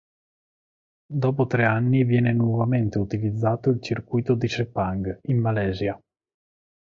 Dopo tre anni viene nuovamente utilizzato il Circuito di Sepang, in Malesia.